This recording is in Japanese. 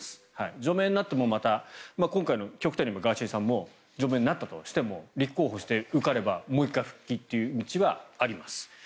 除名になっても今回の極端に言えばガーシーさんも除名になったとしても立候補して受かればもう１回復帰という道はあります。